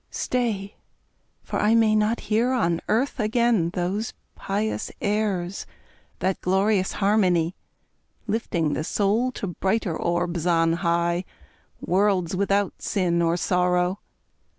Stay, for I may not hear on earth again Those pious airs that glorious harmony; Lifting the soul to brighter orbs on high, Worlds without sin or sorrow!